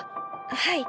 はい。